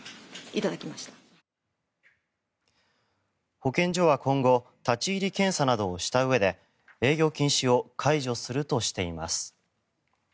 保健所は今後立ち入り検査などをしたうえで営業禁止を解除するとしています。